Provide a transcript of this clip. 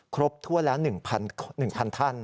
ครบทั่วละ๑๐๐๐ท่าน